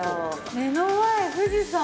目の前、富士山。